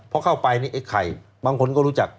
เพราะเข้าไปในไอ้ไข่บางคนก็รู้จัก